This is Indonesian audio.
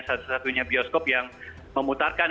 satu satunya bioskop yang memutarkan